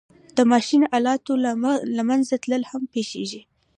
د ماشین آلاتو له منځه تلل هم پېښېږي